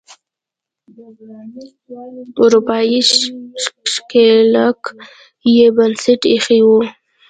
اروپایي ښکېلاک یې بنسټ ایښی و.